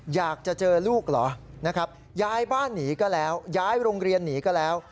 อยากจะเจอลูกเหรอนะครับย้ายบ้านหนีก็แล้วย้ายโรงเรียนหนีก็แล้ว